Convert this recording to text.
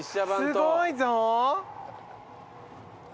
すごいぞ。